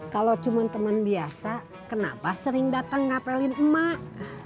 kalau cuma temen biasa kenapa sering datang ngapelin emak